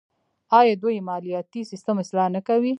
آیا دوی مالیاتي سیستم اصلاح نه کوي؟